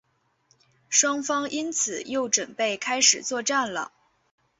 双方因此又准备开始作战了。